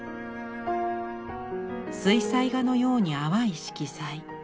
水彩画のように淡い色彩。